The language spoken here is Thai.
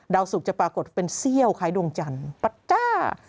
ดาวศุกร์จะปรากฏเป็นเสี้ยวคล้ายดวงจันทร์ปั๊ตต้า